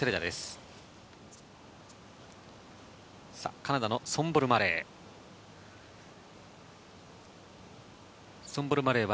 カナダのソンボル・マレー。